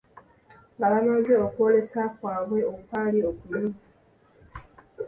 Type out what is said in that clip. Nga bamaze okwolesa kwabwe okwali okunyuvu,